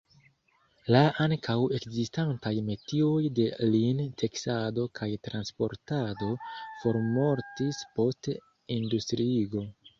La ankaŭ ekzistantaj metioj de lin-teksado kaj transportado formortis post industriigo.